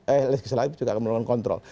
eh salah satu juga akan dikontrol